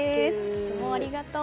いつもありがとう。